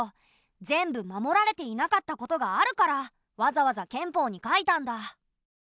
全部守られていなかったことがあるからわざわざ憲法に書いたんだ。